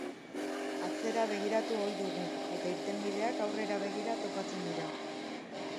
Atzera begiratu ohi dugu eta irtenbideak, aurrera begira topatzen dira.